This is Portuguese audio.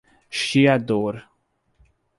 Chiador